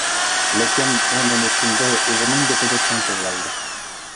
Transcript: لېكىن ئۇ نېمە ئۈچۈندۇر، ئۆزىنىڭ گېپىدە چىڭ تۇرۇۋالدى.